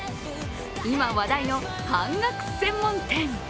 今話題の、半額専門店。